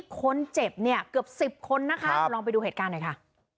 คนเจ็บเนี่ยเกือบ๑๐คนนะคะลองไปดูเหตุการณ์หน่อยค่ะ